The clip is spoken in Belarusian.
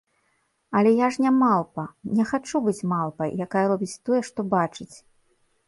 А я ж не малпа, не хачу быць малпай, якая робіць тое, што бачыць.